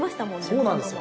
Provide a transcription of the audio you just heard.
そうなんですよ。